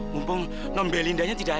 mumpung nombelindanya tidak ada